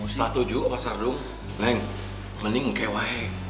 setuju mas ardung neng mending ngekewa he